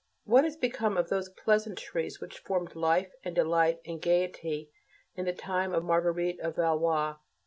What has become of those pleasantries which formed "life" and "delight" and "gaiety" in the time of Marguerite of Valois?